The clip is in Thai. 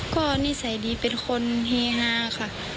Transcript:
ก็นิสัยดีเป็นคนเฮฮาค่ะ